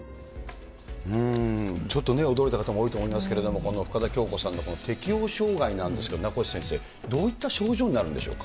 うーん、ちょっとね、驚いた方も多いと思いますけれども、この深田恭子さんの適応障害なんですけれども、名越先生、どういった症状になるんでしょうか。